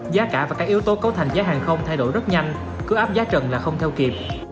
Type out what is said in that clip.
giá cả và các yếu tố cấu thành giá hàng không thay đổi rất nhanh cứ áp giá trần là không theo kịp